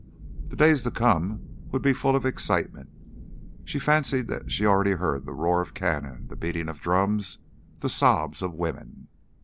The days to come would be full of excitement. She fancied that she already heard the roar of cannon, the beating of drums, the sobs of women.